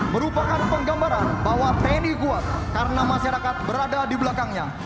merupakan penggambaran bahwa tni kuat karena masyarakat berada di belakangnya